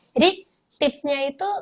jadi tipsnya itu